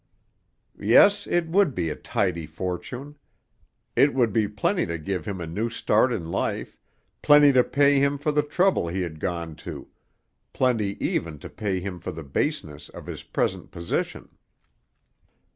Yes, it would be a tidy fortune. It would be plenty to give him a new start in life, plenty to pay him for the trouble he had gone to, plenty even to pay him for the baseness of his present position.